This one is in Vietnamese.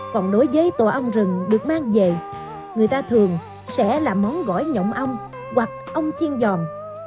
còn đối với tổ ong rừng được mang về người ta thường sẽ là món gỏi nhọc ong hoặc ong chiên giòn